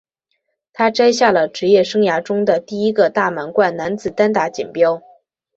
他摘下了职业生涯中的第一个大满贯男子单打锦标。